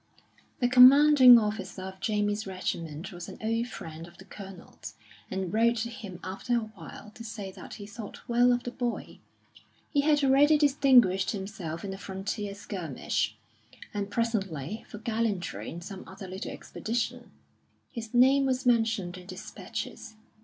The commanding officer of Jamie's regiment was an old friend of the Colonel's, and wrote to him after a while to say that he thought well of the boy. He had already distinguished himself in a frontier skirmish, and presently, for gallantry in some other little expedition, his name was mentioned in despatches.